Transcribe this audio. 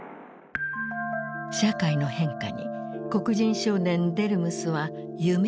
社会の変化に黒人少年デルムスは夢を抱いた。